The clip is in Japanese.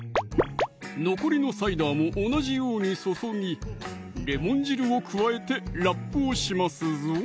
残りのサイダーも同じように注ぎレモン汁を加えてラップをしますぞ